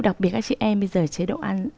đặc biệt các chị em bây giờ chế độ ăn